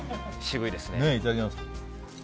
いただきます。